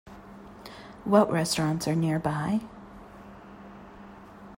What restaurants are nearby?